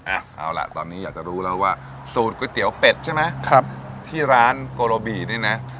เอาล่ะตอนนี้อยากจะรู้แล้วว่าสูตรก๋วยเตี๋ยวเป็ดใช่ไหมครับที่ร้านโกโรบีนี่นะ